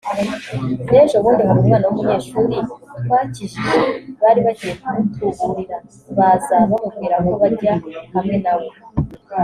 n’ejo bundi hari umwana w’umunyeshuri twakijije bari bagiye kumutuburira baza bamubwira ko bajya hamwe nawe